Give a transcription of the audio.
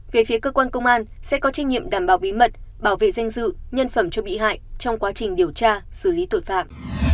về phía cơ quan công an sẽ có trách nhiệm đảm bảo bí mật bảo vệ danh dự nhân phẩm cho bị hại trong quá trình điều tra xử lý tội phạm